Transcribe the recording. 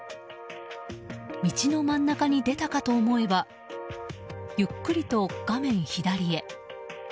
道の真ん中に出たかと思えばゆっくりと画面左へ。